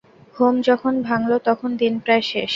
ঘুম যখন ভাঙ্গল তখন দিন প্রায় শেষ।